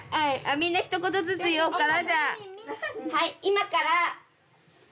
みんな一言ずつ言おうかな。